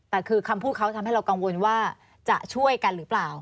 แต่คือคำพูดเขาทำให้เรากังวลว่าจะช่วยกันหรือเปล่า